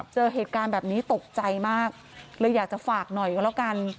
เจอเหตุการณ์แบบนี้ตกใจมากเลยอยากจะฝากหน่อยก็แล้วกัน